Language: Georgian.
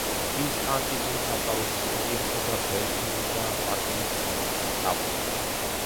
ის ანტიკური სამყაროს ისტორიასა და ბერძნულ და ლათინურ ენებს სწავლობდა.